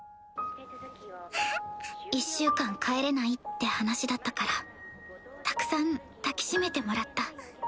ははっ１週間帰れないって話だったからたくさん抱き締めてもらった。